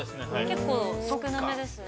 ◆結構少なめですね。